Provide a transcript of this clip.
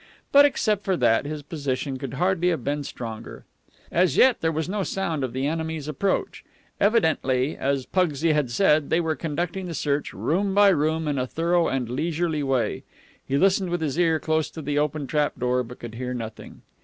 But, except for that, his position could hardly have been stronger. As yet there was no sound of the enemy's approach. Evidently, as Pugsy had said, they were conducting the search, room by room, in a thorough and leisurely way. He listened with his ear close to the open trapdoor, but could hear nothing.